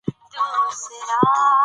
خو له نيکه مرغه مې په دې ناول کې